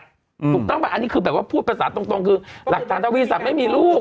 ถูกต้องป่ะอันนี้คือแบบว่าพูดภาษาตรงคือหลักฐานทวีศัตว์ไม่มีลูก